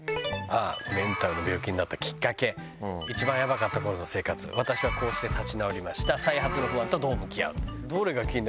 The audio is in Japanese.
メンタルの病気になったきっかけ、一番やばかったころの生活、私はこうして立ち直りました、再発の不安とどう向き合う？